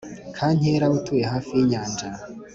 kankera atuye hafi yinyanja